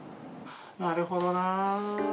なるほどな。